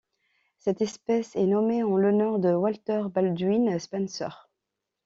Cette espèce est nommée en l'honneur de Walter Baldwin Spencer.